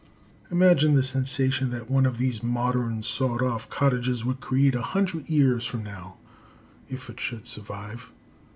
Imagine the sensation that one of these modern, sawed off cottages would create a hundred years from now, if it should survive!